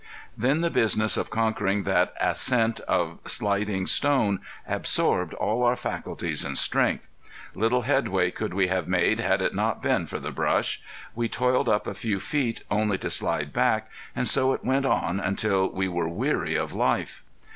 Then the business of conquering that ascent of sliding stone absorbed all our faculties and strength. Little headway could we have made had it not been for the brush. We toiled up a few feet only to slide back and so it went on until we were weary of life.